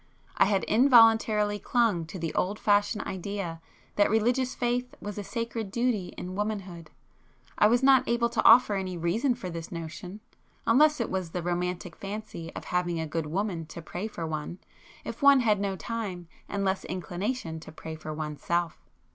I had involuntarily clung to the old fashioned idea that religious faith was a sacred duty in womanhood; I was not able to offer any reason for this notion, unless it was the romantic fancy of having a good woman to pray for one, if one had no time and less inclination to pray for one's self.